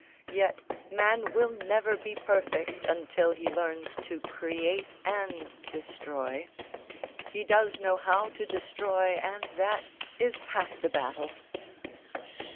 Yet man will never be perfect until he learns to create and destroy; he does know how to destroy, and that is half the battle."